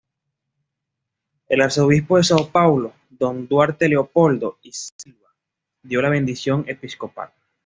El arzobispo de Sao Paulo, Don Duarte Leopoldo y Silva dio la bendición episcopal.